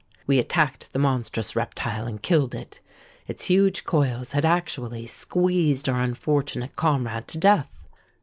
We attacked the monstrous reptile, and killed it. Its huge coils had actually squeezed our unfortunate comrade to death!